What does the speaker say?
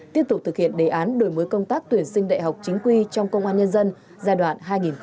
tiếp tục thực hiện đề án đổi mới công tác tuyển sinh đại học chính quy trong công an nhân dân giai đoạn hai nghìn hai mươi hai nghìn hai mươi năm